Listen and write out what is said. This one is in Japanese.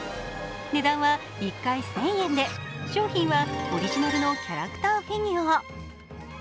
値段は１回１０００円で商品はオリジナルのキャラクターフィギュア。